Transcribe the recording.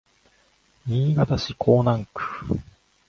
新潟市江南区